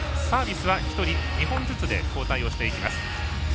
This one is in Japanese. サービスは１人、２本ずつで交代していきます。